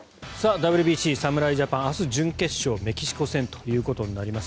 ＷＢＣ侍ジャパン明日、準決勝メキシコ戦となります。